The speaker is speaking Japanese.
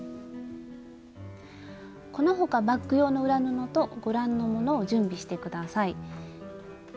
この他バッグ用の裏布とご覧のものを準備して下さい。